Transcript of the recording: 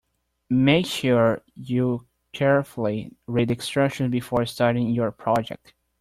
Make sure you carefully read the instructions before starting your project.